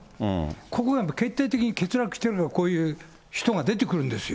ここが決定的に欠落してると、こういう人が出てくるんですよ。